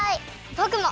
ぼくも！